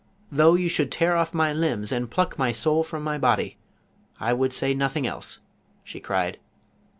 " Though you should tear off my limbs and pluck my soul from my body, I would say nothing 9» 178 JOAN OF ABC. else," she cried.